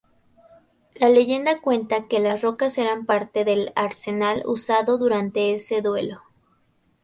La leyenda cuenta que las rocas eran parte del arsenal usado durante ese duelo.